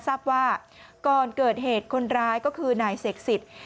ทราบว่าก่อนเกิดเหตุคนร้ายก็คือนายเสกสิทธิ์